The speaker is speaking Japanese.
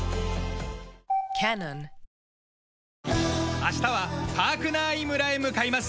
明日はパークナーイ村へ向かいます。